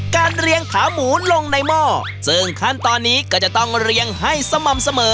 เรียงขาหมูลงในหม้อซึ่งขั้นตอนนี้ก็จะต้องเรียงให้สม่ำเสมอ